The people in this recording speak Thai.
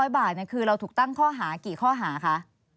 ๑๕๐๐บาทเนี่ยคือเราถูกตั้งข้อหากี่ข้อหาค่ะ